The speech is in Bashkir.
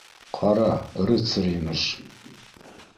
— Ҡара, рыцарь, имеш.